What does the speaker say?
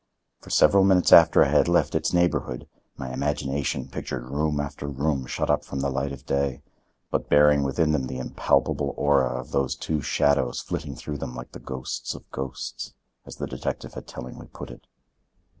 For several minutes after I had left its neighborhood my imagination pictured room after room shut up from the light of day, but bearing within them the impalpable aura of those two shadows flitting through them like the ghosts of ghosts, as the detective had tellingly put it.